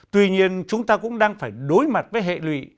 tuy nhiên chúng ta cũng đang phải đối mặt với hệ lụy